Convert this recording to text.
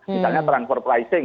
misalnya transfer pricing